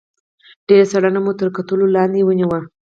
ډېره څېړنه مو تر کتلو لاندې ونیوه.